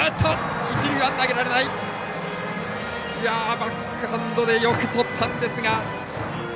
バックハンドでよくとったんですが。